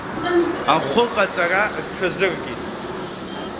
Ахәы ҟаҵара рҽазыркит.